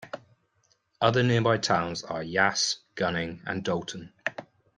Other nearby towns are Yass, Gunning and Dalton.